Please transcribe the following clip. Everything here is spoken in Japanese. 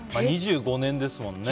２５年ですもんね。